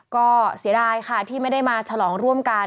ก็เสียดายค่ะที่ไม่ได้มาฉลองร่วมกัน